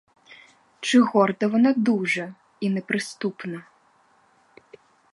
Чи горда вона дуже і неприступна?